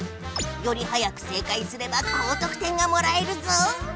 よりはやく正解すれば高とく点がもらえるぞ！